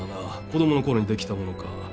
子供のころにできたものか。